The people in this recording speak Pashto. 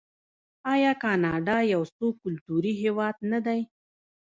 آیا کاناډا یو څو کلتوری هیواد نه دی؟